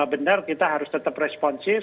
benar kita harus tetap responsif